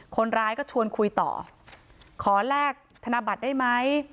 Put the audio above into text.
คนร้ายก็ชวนคุยต่อขอแลกธนบัตรได้ไหม